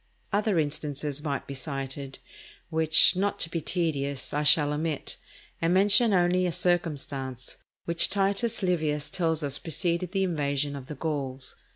Other instances might be cited, which, not to be tedious, I shall omit, and mention only a circumstance which Titus Livius tells us preceded the invasion of the Gauls.